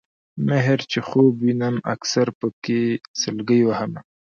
مِهر چې خوب وینم اکثر پکې سلګۍ وهمه